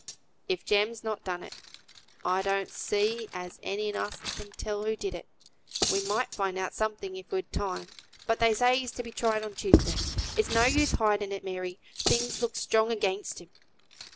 "If Jem's not done it, I don't see as any on us can tell who did. We might find out something if we'd time; but they say he's to be tried on Tuesday. It's no use hiding it, Mary; things looks strong against him."